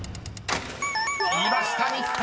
［いました「日本」］